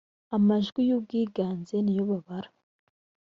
amajwi y ‘ubwiganze niyobabara.